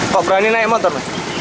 kok berani naik motor